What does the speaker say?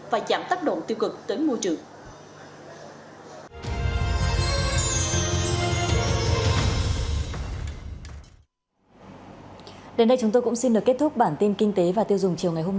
và chạm tác động tiêu cực tới môi trường